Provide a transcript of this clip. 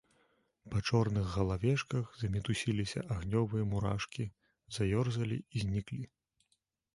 Па чорных галавешках замітусіліся агнёвыя мурашкі, заёрзалі і зніклі.